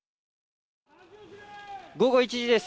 午後１時です。